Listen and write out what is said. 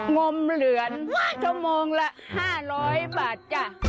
งมเหลือนชั่วโมงละ๕๐๐บาทจ้ะ